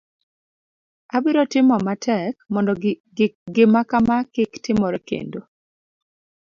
abiro timo matek mondo gimakama kik timore kendo